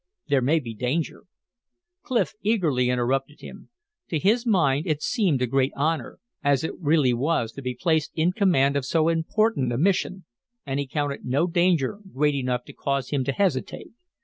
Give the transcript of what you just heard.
There may be danger " Clif eagerly interrupted him. To his mind it seemed a great honor, as it really was to be placed in command of so important a mission, and he counted no danger great enough to cause him to hesitate.